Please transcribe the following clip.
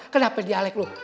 kenapa dialek lu